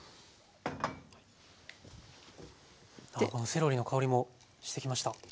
セロリの香りもしてきました。